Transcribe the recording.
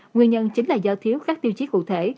nguyên nhân chính là do thiếu các tiêu chí cụ thể